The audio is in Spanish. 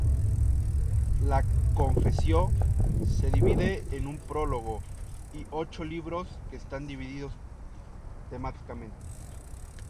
La "Confessio" se divide en un prólogo y ocho libros, que están divididos temáticamente.